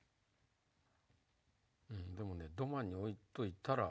でもどまに置いといたら。